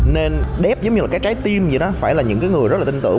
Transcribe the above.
nên dev giống như là cái trái tim vậy đó phải là những người rất là tin tưởng